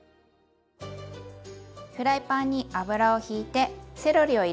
フライパンに油をひいてセロリを入れます。